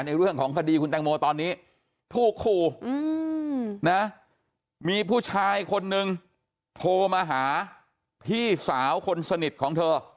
เรื่องของคดีคุณแตงโมตอนนี้ถูกขู่นะมีผู้ชายคนนึงโทรมาหาพี่สาวคนสนิทของเธอ